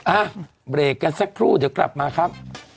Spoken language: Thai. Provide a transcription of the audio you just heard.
อ่ะเบรกกันสักครู่เดี๋ยวกลับมาครับ